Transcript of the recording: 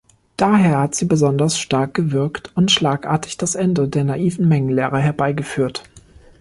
Daher hat sie besonders stark gewirkt und schlagartig das Ende der naiven Mengenlehre herbeigeführt.